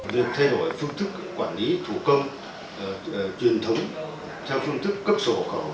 việc thay đổi phương thức quản lý thủ công truyền thống sang phương thức cấp sổ hỏa khẩu